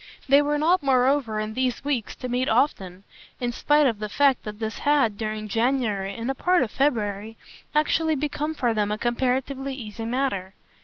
They were not moreover in these weeks to meet often, in spite of the fact that this had, during January and a part of February, actually become for them a comparatively easy matter.